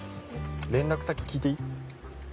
連絡先聞いていい？